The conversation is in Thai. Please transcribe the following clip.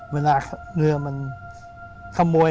เวลาเรือมันขโมย